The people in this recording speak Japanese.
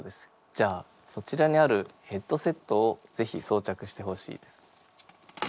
じゃあそちらにあるヘッドセットをぜひそうちゃくしてほしいです。